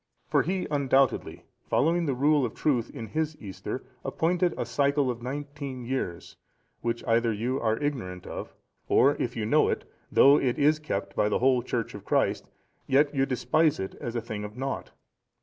For he undoubtedly, following the rule of truth in his Easter, appointed a cycle of nineteen years, which either you are ignorant of, or if you know it, though it is kept by the whole Church of Christ, yet you despise it as a thing of naught.